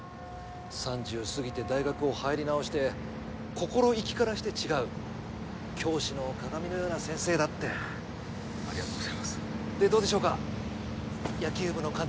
３０を過ぎて大学を入り直して心意気からして違う教師の鑑のような先生だってありがとうございますでどうでしょうか野球部の監督